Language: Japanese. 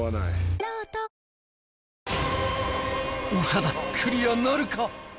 長田クリアなるか？